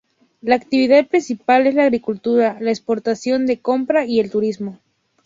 La actividad principal es la agricultura, la exportación de copra y el turismo.